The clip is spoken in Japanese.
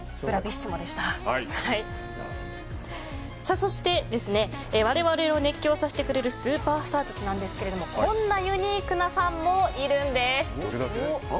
そして、われわれを熱狂させてくれるスーパースターたちなんですがこんなユニークなファンもいるんです。